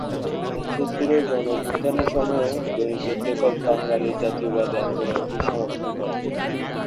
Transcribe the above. ঊনসত্তরের গণঅভ্যুত্থানের সময়ও দৈনিক ইত্তেফাক বাঙালির জাতীয়তাবাদী আন্দোলনকে সমর্থন করে।